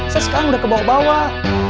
saya sekarang udah ke bawah